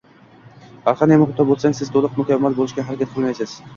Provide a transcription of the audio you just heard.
Har qanday muhitda bo’lmang siz to’liq mukammal bo’lishga harakat qilmaysiz